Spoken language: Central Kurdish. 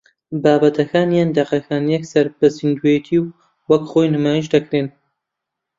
بابەتەکان یان دەقەکان یەکسەر بە زیندووێتی و وەک خۆی نمایش دەکرێن